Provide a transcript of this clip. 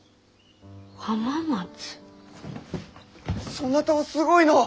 そなたはすごいのう！